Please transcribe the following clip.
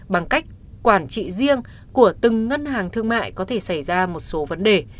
bằng cách quản trị riêng của từng ngân hàng thương mại có thể xảy ra một số vấn đề